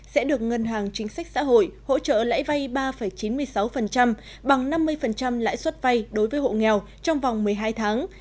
sẽ được ngân hàng chính sách xã hội hỗ trợ lãi vay ba chín mươi sáu bằng năm mươi lãi suất vay đối với hộ nghèo trong vòng một mươi hai tháng